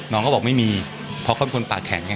น้องก็บอกไม่มีเพราะเขาเป็นคนปากแข็ง